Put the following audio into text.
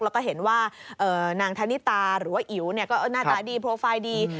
แล้วก็เห็นว่านางธนิตาหรือว่าอิ๋วก็หน้าตาดีโปรไฟล์ดี